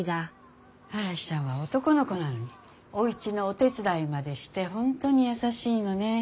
嵐ちゃんは男の子なのにおうちのお手伝いまでして本当に優しいのね。